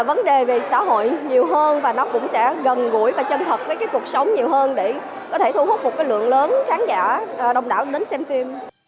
vấn đề về xã hội nhiều hơn và nó cũng sẽ gần gũi và chân thật với cái cuộc sống nhiều hơn để có thể thu hút một lượng lớn khán giả đông đảo đến xem phim